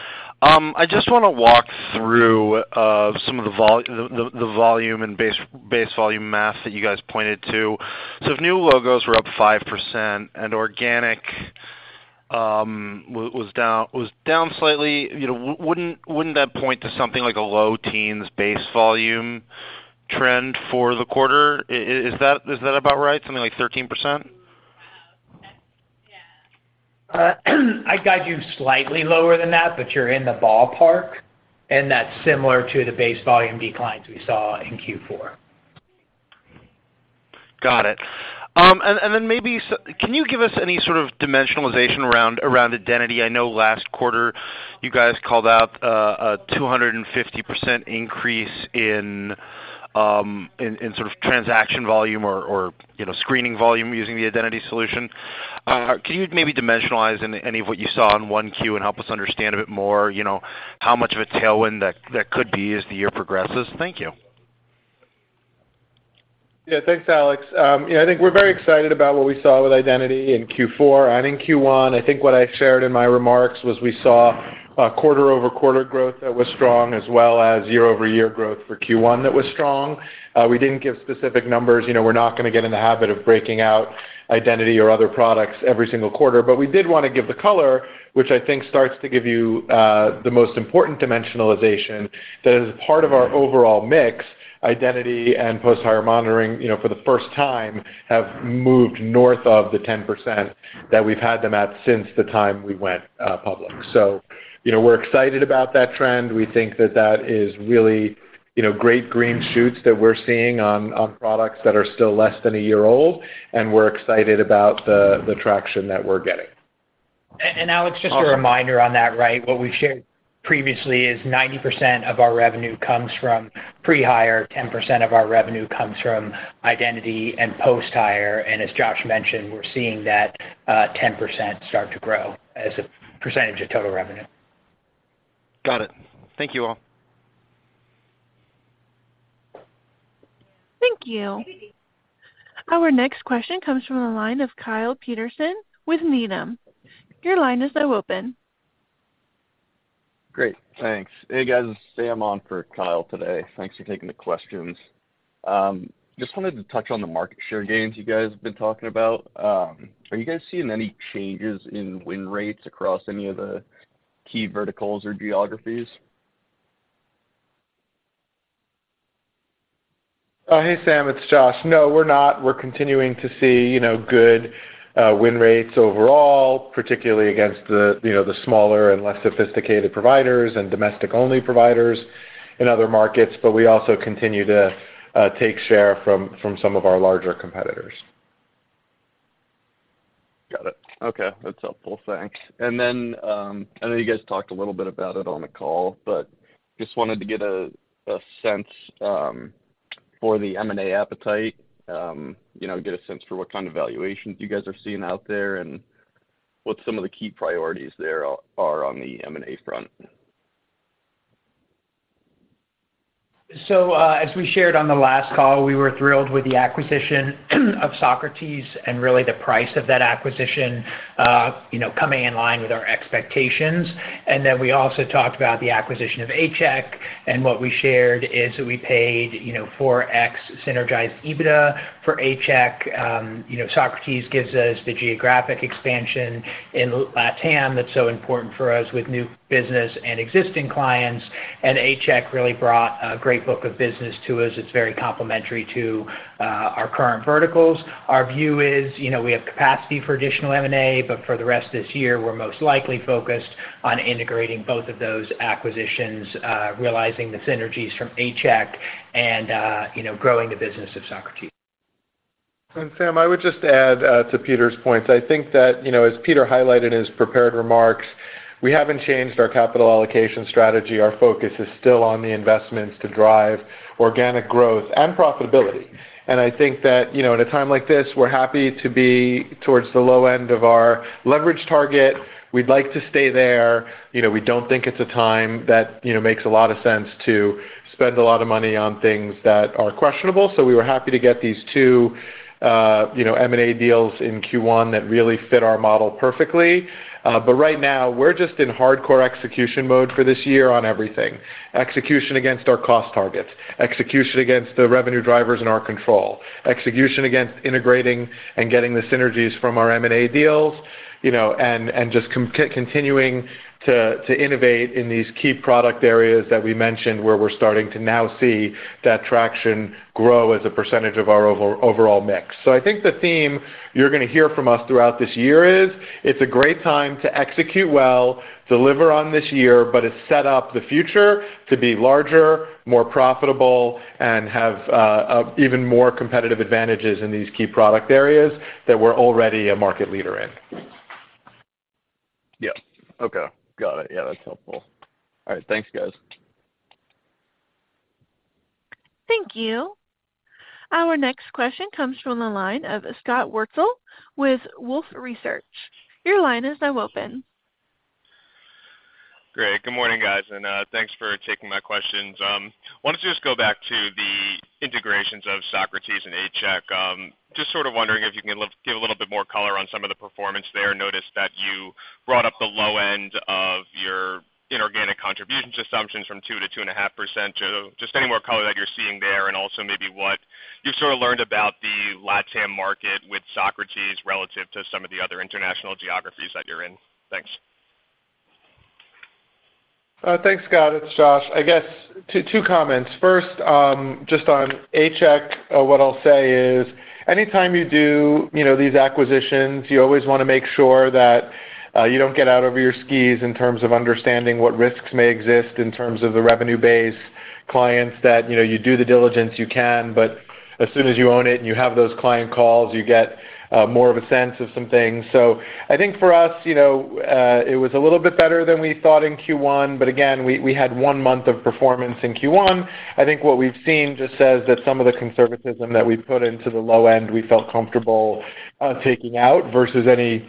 I just wanna walk through some of the volume and base volume math that you guys pointed to. If new logos were up 5% and organic was down slightly, you know, wouldn't that point to something like a low teens base volume trend for the quarter? Is that about right? Something like 13%? I got you slightly lower than that, but you're in the ballpark, and that's similar to the base volume declines we saw in Q4. Got it. Then maybe can you give us any sort of dimensionalization around identity? I know last quarter you guys called out a 250% increase in sort of transaction volume or, you know, screening volume using the identity solution. Can you maybe dimensionalize any of what you saw on 1Q and help us understand a bit more, you know, how much of a tailwind that could be as the year progresses? Thank you. Thanks, Alex. I think we're very excited about what we saw with identity in Q4 and in Q1. I think what I shared in my remarks was we saw a quarter-over-quarter growth that was strong, as well as year-over-year growth for Q1 that was strong. We didn't give specific numbers. You know, we're not gonna get in the habit of breaking out identity or other products every single quarter. We did wanna give the color, which I think starts to give you the most important dimensionalization that as part of our overall mix, identity and post-hire monitoring, you know, for the first time, have moved north of the 10% that we've had them at since the time we went public. You know, we're excited about that trend. We think that that is really, you know, great green shoots that we're seeing on products that are still less than a year old, and we're excited about the traction that we're getting. Alex, just a reminder on that, right? What we've shared previously is 90% of our revenue comes from pre-hire, 10% of our revenue comes from identity and post-hire. As Josh mentioned, we're seeing that 10% start to grow as a percentage of total revenue. Got it. Thank you all. Thank you. Our next question comes from the line of Kyle Peterson with Needham. Your line is now open. Great. Thanks. Hey, guys, this is Sam on for Kyle today. Thanks for taking the questions. Just wanted to touch on the market share gains you guys have been talking about. Are you guys seeing any changes in win rates across any of the key verticals or geographies? Oh, hey, Sam, it's Josh. No, we're not. We're continuing to see, you know, good win rates overall, particularly against the, you know, the smaller and less sophisticated providers and domestic-only providers in other markets. We also continue to take share from some of our larger competitors. Got it. Okay. That's helpful. Thanks. Then, I know you guys talked a little bit about it on the call, but just wanted to get a sense for the M&A appetite, you know, get a sense for what kind of valuations you guys are seeing out there and what some of the key priorities there are on the M&A front. As we shared on the last call, we were thrilled with the acquisition of Socrates and really the price of that acquisition, you know, coming in line with our expectations. We also talked about the acquisition of A-Check. What we shared is that we paid, you know, 4x synergized EBITDA for A-Check. You know, Socrates gives us the geographic expansion in LATAM that's so important for us with new business and existing clients. A-Check really brought a great book of business to us. It's very complementary to our current verticals. Our view is, you know, we have capacity for additional M&A, but for the rest of this year, we're most likely focused on integrating both of those acquisitions, realizing the synergies from A-Check and, you know, growing the business of Socrates. Sam, I would just add to Peter's point. I think that, you know, as Peter highlighted in his prepared remarks, we haven't changed our capital allocation strategy. Our focus is still on the investments to drive organic growth and profitability. I think that, you know, at a time like this, we're happy to be towards the low end of our leverage target. We'd like to stay there. You know, we don't think it's a time that, you know, makes a lot of sense to spend a lot of money on things that are questionable. We were happy to get these two, you know, M&A deals in Q1 that really fit our model perfectly. Right now, we're just in hardcore execution mode for this year on everything. Execution against our cost targets, execution against the revenue drivers in our control, execution against integrating and getting the synergies from our M&A deals, you know, and just continuing to innovate in these key product areas that we mentioned, where we're starting to now see that traction grow as a percentage of our overall mix. I think the theme you're gonna hear from us throughout this year is, it's a great time to execute well, deliver on this year, but it's set up the future to be larger, more profitable, and have even more competitive advantages in these key product areas that we're already a market leader in. Yeah. Okay. Got it. Yeah, that's helpful. All right. Thanks, guys. Thank you. Our next question comes from the line of Scott Wurtzel with Wolfe Research. Your line is now open. Great. Good morning, guys, thanks for taking my questions. Wanted to just go back to the integrations of Socrates and A-Check. Just sort of wondering if you can give a little bit more color on some of the performance there. Noticed that you brought up the low end of your inorganic contributions assumptions from 2% to 2.5%. Just any more color that you're seeing there, and also maybe what you've sort of learned about the LATAM market with Socrates relative to some of the other international geographies that you're in. Thanks. Thanks, Scott. It's Josh. I guess two comments. First, just on A-Check, what I'll say is anytime you do, you know, these acquisitions, you always wanna make sure that you don't get out over your skis in terms of understanding what risks may exist in terms of the revenue base, clients that, you know, you do the diligence you can, but as soon as you own it and you have those client calls, you get more of a sense of some things. I think for us, you know, it was a little bit better than we thought in Q1, but again, we had one month of performance in Q1. I think what we've seen just says that some of the conservatism that we put into the low end, we felt comfortable taking out versus any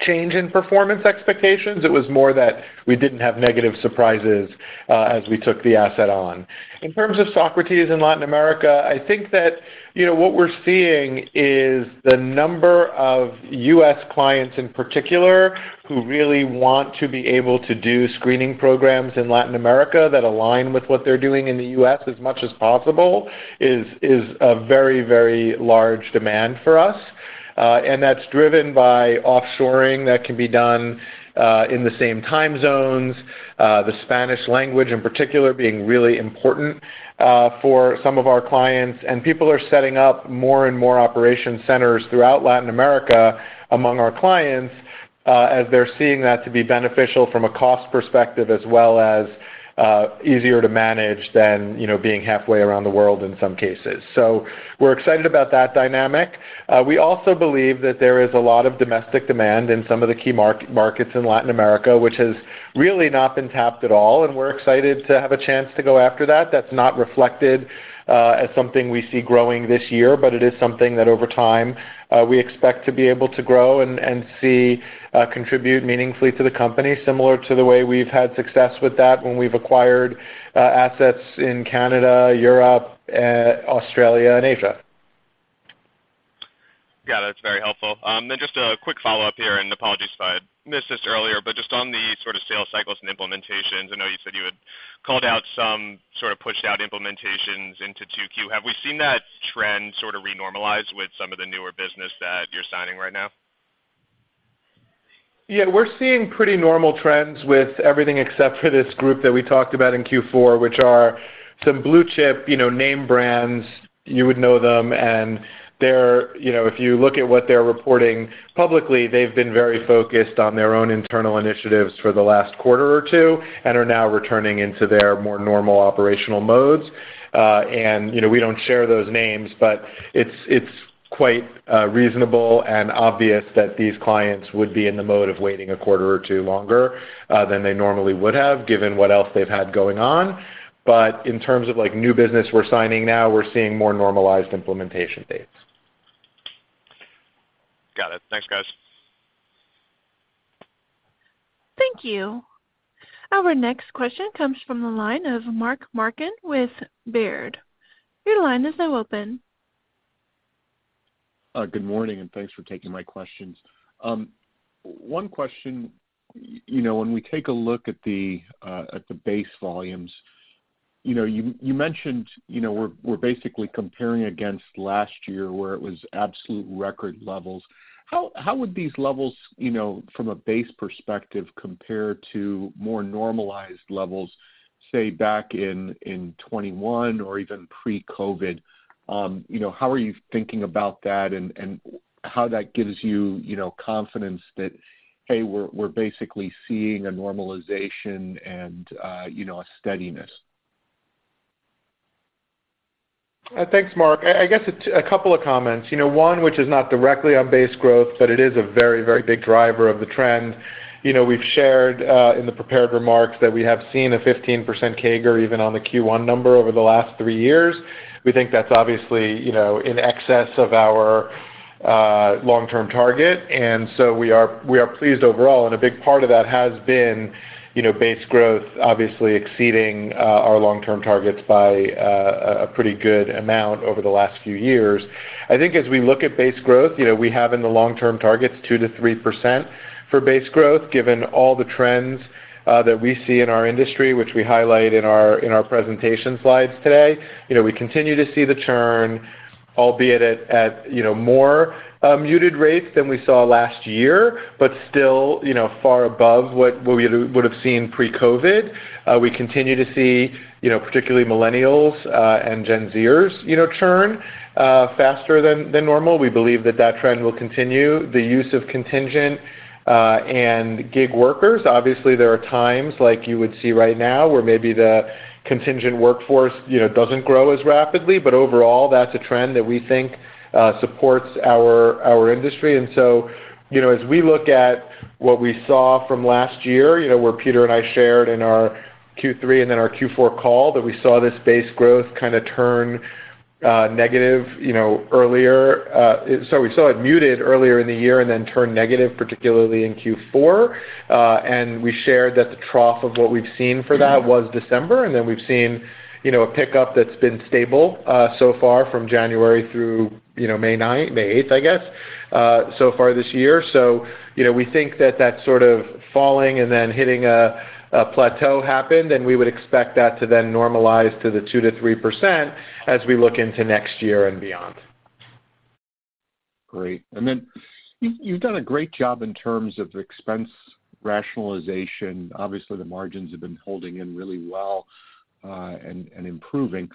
change in performance expectations. It was more that we didn't have negative surprises as we took the asset on. In terms of Socrates in Latin America, I think that, you know, what we're seeing is the number of U.S. clients in particular who really want to be able to do screening programs in Latin America that align with what they're doing in the U.S. as much as possible is a very, very large demand for us. That's driven by offshoring that can be done in the same time zones. The Spanish language in particular being really important for some of our clients. People are setting up more and more operation centers throughout Latin America among our clients, as they're seeing that to be beneficial from a cost perspective, as well as, easier to manage than, you know, being halfway around the world in some cases. We're excited about that dynamic. We also believe that there is a lot of domestic demand in some of the key markets in Latin America, which has really not been tapped at all, and we're excited to have a chance to go after that. That's not reflected, as something we see growing this year, but it is something that over time, we expect to be able to grow and see contribute meaningfully to the company similar to the way we've had success with that when we've acquired assets in Canada, Europe, Australia and Asia. Got it. That's very helpful. Just a quick follow-up here, apologies if I missed this earlier, but just on the sort of sales cycles and implementations, I know you said you called out some sort of pushed out implementations into 2Q. Have we seen that trend sort of re-normalize with some of the newer business that you're signing right now? Yeah, we're seeing pretty normal trends with everything except for this group that we talked about in Q4, which are some blue chip, you know, name brands. You would know them, you know, if you look at what they're reporting publicly, they've been very focused on their own internal initiatives for the last quarter or two and are now returning into their more normal operational modes. You know, we don't share those names, but it's quite reasonable and obvious that these clients would be in the mode of waiting a quarter or two longer than they normally would have, given what else they've had going on. In terms of, like, new business we're signing now, we're seeing more normalized implementation dates. Got it. Thanks, guys. Thank you. Our next question comes from the line of Mark Marcon with Baird. Your line is now open. Good morning, Thanks for taking my questions. One question. You know, when we take a look at the at the base volumes, you know, you mentioned, you know, we're basically comparing against last year where it was absolute record levels. How would these levels, you know, from a base perspective compare to more normalized levels, say back in 2021 or even pre-COVID? You know, how are you thinking about that and how that gives you know, confidence that, hey, we're basically seeing a normalization and, you know, a steadiness? Thanks, Mark. I guess it's a couple of comments. You know, one which is not directly on base growth, but it is a very, very big driver of the trend. You know, we've shared in the prepared remarks that we have seen a 15% CAGR even on the Q1 number over the last three years. We think that's obviously, you know, in excess of our long-term target, and so we are pleased overall, and a big part of that has been, you know, base growth obviously exceeding our long-term targets by a pretty good amount over the last few years. I think as we look at base growth, you know, we have in the long-term targets 2%-3% for base growth, given all the trends that we see in our industry, which we highlight in our, in our presentation slides today. You know, we continue to see the churn, albeit at, you know, more muted rates than we saw last year, but still, you know, far above what we would have seen pre-COVID. We continue to see, you know, particularly millennials and Gen Zers, you know, churn faster than normal. We believe that that trend will continue. The use of contingent and gig workers. Obviously, there are times, like you would see right now, where maybe the contingent workforce, you know, doesn't grow as rapidly, but overall, that's a trend that we think supports our industry. You know, as we look at what we saw from last year, you know, where Peter and I shared in our Q3 and then our Q4 call that we saw this base growth kind of turn negative, you know, earlier. We saw it muted earlier in the year and then turn negative, particularly in Q4. We shared that the trough of what we've seen for that was December, then we've seen, you know, a pickup that's been stable so far from January through, you know, May 8, I guess, so far this year. You know, we think that that sort of falling and then hitting a plateau happened, and we would expect that to then normalize to the 2%-3% as we look into next year and beyond. Great. Then you've done a great job in terms of expense rationalization. Obviously, the margins have been holding in really well, and improving.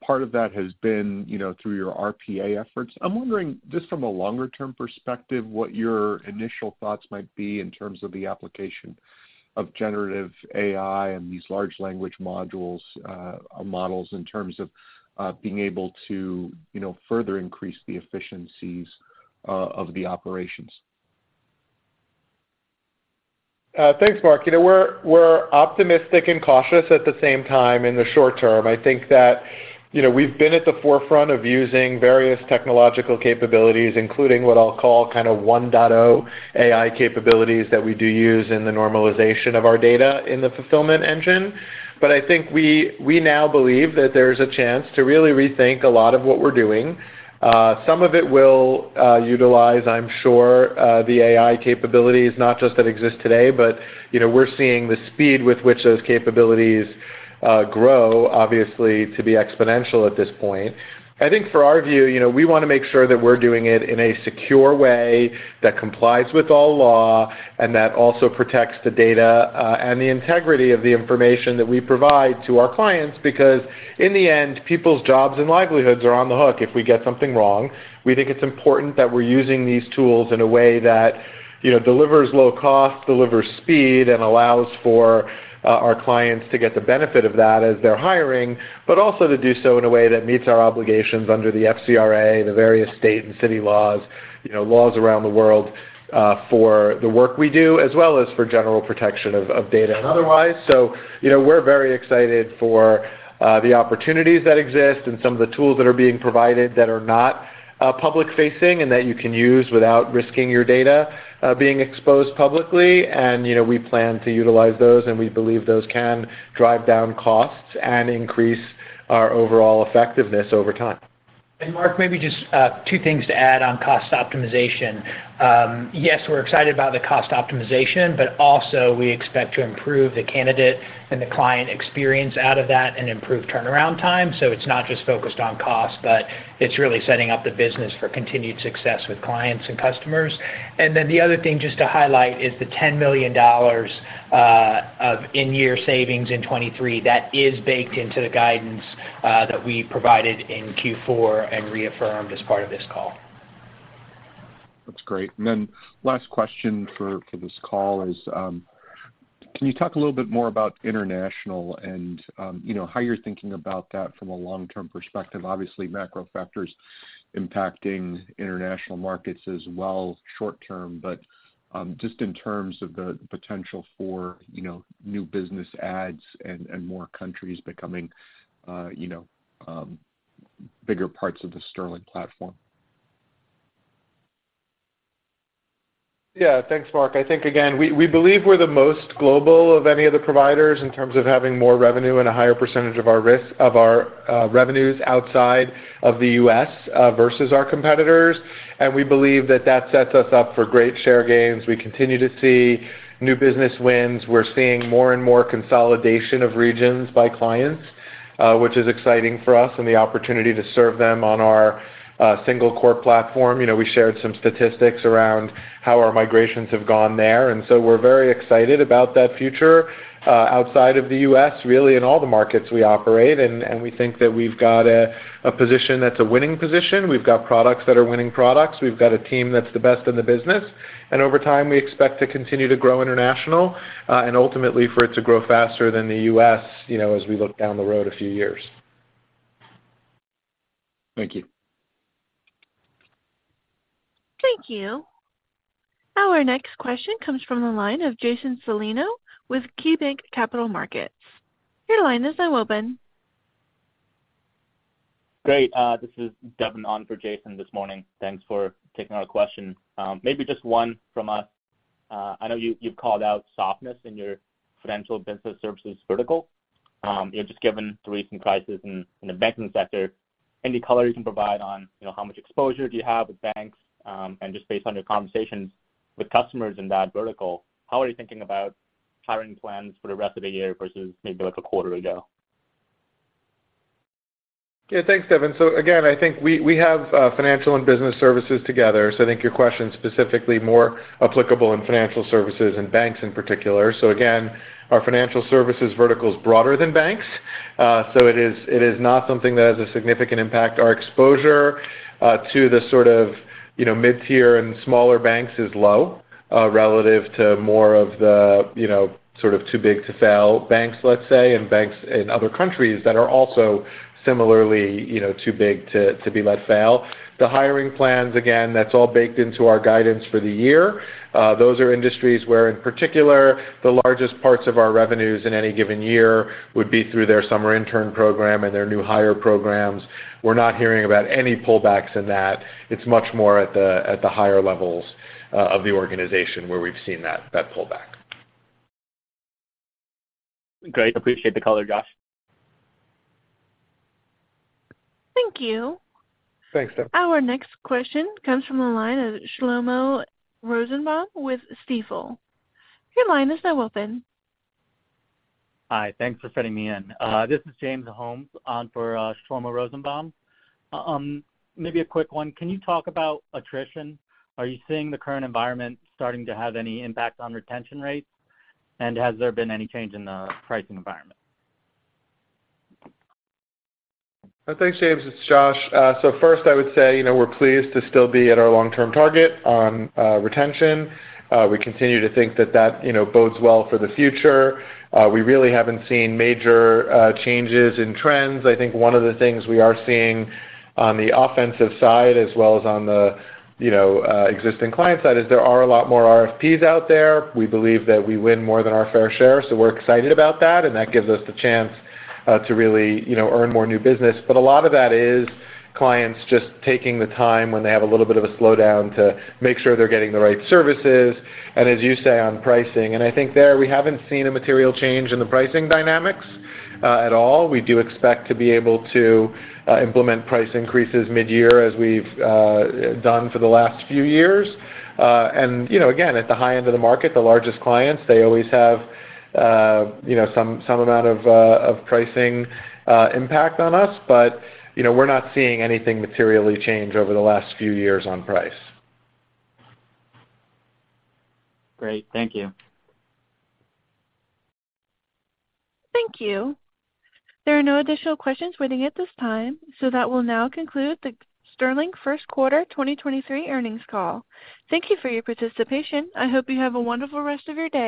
Part of that has been, you know, through your RPA efforts. I'm wondering, just from a longer term perspective, what your initial thoughts might be in terms of the application of generative AI and these large language modules, models in terms of being able to, you know, further increase the efficiencies of the operations. Thanks, Mark. You know, we're optimistic and cautious at the same time in the short term. I think that, you know, we've been at the forefront of using various technological capabilities, including what I'll call kind of 1.0 AI capabilities that we do use in the normalization of our data in the fulfillment engine. I think we now believe that there's a chance to really rethink a lot of what we're doing. Some of it will utilize, I'm sure, the AI capabilities, not just that exist today, but, you know, we're seeing the speed with which those capabilities grow, obviously, to be exponential at this point. I think for our view, you know, we wanna make sure that we're doing it in a secure way that complies with all law and that also protects the data, and the integrity of the information that we provide to our clients. In the end, people's jobs and livelihoods are on the hook if we get something wrong. We think it's important that we're using these tools in a way that, you know, delivers low cost, delivers speed, and allows for, our clients to get the benefit of that as they're hiring, but also to do so in a way that meets our obligations under the FCRA, the various state and city laws, you know, laws around the world, for the work we do, as well as for general protection of data and otherwise. You know, we're very excited for the opportunities that exist and some of the tools that are being provided that are not public-facing and that you can use without risking your data being exposed publicly. You know, we plan to utilize those, and we believe those can drive down costs and increase our overall effectiveness over time. Mark, maybe just two things to add on cost optimization. Yes, we're excited about the cost optimization, but also we expect to improve the candidate and the client experience out of that and improve turnaround time. It's not just focused on cost, but it's really setting up the business for continued success with clients and customers. The other thing just to highlight is the $10 million of in-year savings in 2023. That is baked into the guidance that we provided in Q4 and reaffirmed as part of this call. That's great. Last question for this call is, can you talk a little bit more about international and, you know, how you're thinking about that from a long-term perspective? Obviously, macro factors impacting international markets as well short-term, but, just in terms of the potential for, you know, new business ads and, more countries becoming, you know, bigger parts of the Sterling platform. Yeah. Thanks, Mark. I think again, we believe we're the most global of any of the providers in terms of having more revenue and a higher percentage of our revenues outside of the U.S. versus our competitors. We believe that that sets us up for great share gains. We continue to see new business wins. We're seeing more and more consolidation of regions by clients, which is exciting for us. The opportunity to serve them on our single core platform. You know, we shared some statistics around how our migrations have gone there. We're very excited about that future outside of the U.S., really in all the markets we operate. We think that we've got a position that's a winning position. We've got products that are winning products. We've got a team that's the best in the business. Over time, we expect to continue to grow international and ultimately for it to grow faster than the U.S., you know, as we look down the road a few years. Thank you. Thank you. Our next question comes from the line of Jason Celino with KeyBanc Capital Markets. Your line is now open. Great. This is Devin Au for Jason this morning. Thanks for taking our question. Maybe just one from us. I know you've called out softness in your Financial Business Services vertical. You know, just given the recent crisis in the banking sector, any color you can provide on, you know, how much exposure do you have with banks, and just based on your conversations with customers in that vertical, how are you thinking about hiring plans for the rest of the year versus maybe like a quarter ago? Yeah. Thanks, Devin. Again, I think we have Financial and Business Services together, so I think your question is specifically more applicable in Financial Services and banks in particular. Again, our Financial Services vertical is broader than banks. It is, it is not something that has a significant impact. Our exposure to the sort of, you know, mid-tier and smaller banks is low relative to more of the, you know, sort of too big to fail banks, let's say, and banks in other countries that are also similarly, you know, too big to be let fail. The hiring plans, again, that's all baked into our guidance for the year. Those are industries where, in particular, the largest parts of our revenues in any given year would be through their summer intern program and their new hire programs. We're not hearing about any pullbacks in that. It's much more at the, at the higher levels of the organization where we've seen that pullback. Great. Appreciate the color, Josh. Thank you. Thanks, Devin. Our next question comes from the line of Shlomo Rosenbaum with Stifel. Your line is now open. Hi. Thanks for fitting me in. This is James Holmes on for Shlomo Rosenbaum. Maybe a quick one. Can you talk about attrition? Are you seeing the current environment starting to have any impact on retention rates? Has there been any change in the pricing environment? Thanks, James. It's Josh. First I would say, you know, we're pleased to still be at our long-term target on retention. We continue to think that that, you know, bodes well for the future. We really haven't seen major changes in trends. I think one of the things we are seeing on the offensive side as well as on the, you know, existing client side is there are a lot more RFPs out there. We believe that we win more than our fair share, so we're excited about that, and that gives us the chance to really, you know, earn more new business. A lot of that is clients just taking the time when they have a little bit of a slowdown to make sure they're getting the right services, and as you say, on pricing. I think there, we haven't seen a material change in the pricing dynamics at all. We do expect to be able to implement price increases mid-year as we've done for the last few years. You know, again, at the high end of the market, the largest clients, they always have, you know, some amount of pricing impact on us. You know, we're not seeing anything materially change over the last few years on price. Great. Thank you. Thank you. There are no additional questions waiting at this time, that will now conclude the Sterling first quarter 2023 earnings call. Thank you for your participation. I hope you have a wonderful rest of your day.